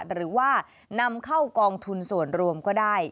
หรือว่านำเข้ากองทุนส่วนรวมก็ได้